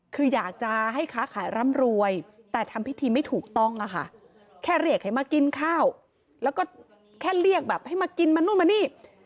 คืออยากจะให้ค้าขายร่ำรวยแต่ทำพิธีไม่ถูกต้องอะค่ะแค่เรียกให้มากินข้าวแล้วก็แค่เรียกแบบให้มากินมานู่นมานี่